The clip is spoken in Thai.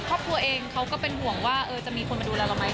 ครอบครัวเองเขาก็เป็นห่วงว่าจะมีคนมาดูแลเราไหม